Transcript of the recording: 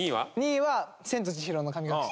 ２位は『千と千尋の神隠し』。